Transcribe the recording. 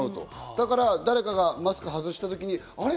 だから誰かがマスクを外した時にあれ？